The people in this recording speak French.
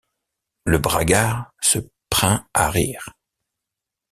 Le braguard se print à rire.